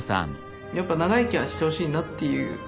やっぱ長生きはしてほしいなっていう